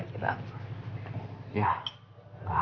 kamu nggak bahagia bahagia banget